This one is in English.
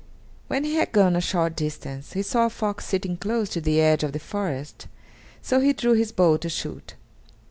When he had gone a short distance, he saw a fox sitting close to the edge of the forest, so he drew his bow to shoot.